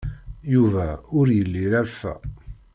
Yuba ur yelli yerfa.